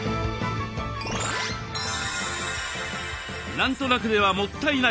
「何となく」ではもったいない！